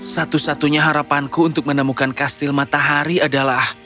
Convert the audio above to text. satu satunya harapanku untuk menemukan kastil matahari adalah